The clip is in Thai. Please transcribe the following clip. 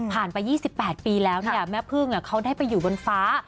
ผ่านไป๒๘ปีแล้วเนี่ยแม่เพลงเขาได้ไปอยู่บนฟ้า